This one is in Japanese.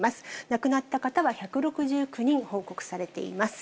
亡くなった方は１６９人報告されています。